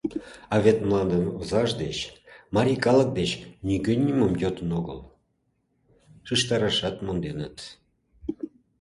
А вет мландын озаж деч, марий калык деч, нигӧ нимом йодын огыл, шижтарашат монденыт.